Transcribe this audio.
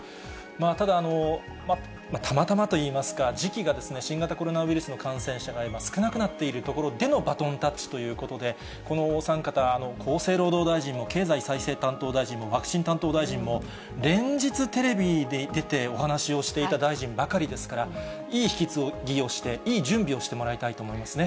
ただ、たまたまといいますか、時期が新型コロナウイルスの感染者が今、少なくなっているところでのバトンタッチということで、このお三方、厚生労働大臣も、経済再生担当大臣も、ワクチン担当大臣も、連日テレビに出てお話をしていただいた大臣ばかりですから、いい引き継ぎをして、いい準備をしてもらいたいと思いますね。